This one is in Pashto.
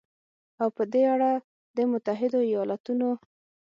او په دې اړه د متحدو ایالتونو